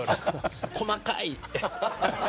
細かい。